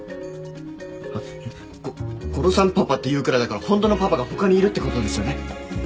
ゴゴロさんパパって言うくらいだから本当のパパが他にいるって事ですよね？